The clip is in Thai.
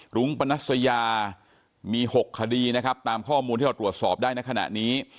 รุ้งปนัสยามี๖คดีนะครับตามข้อมูลที่เราตรวจสอบได้ในขณะนี้